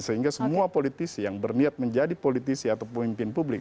sehingga semua politisi yang berniat menjadi politisi atau pemimpin publik